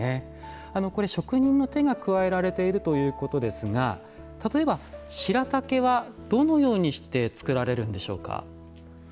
これ職人の手が加えられているということですが例えば白竹はどのようにして作られるんでしょうか？